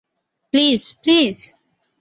Please, please!